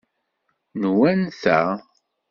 Nwen ta?